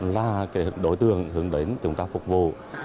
là đối tượng hướng đến chúng ta phục vụ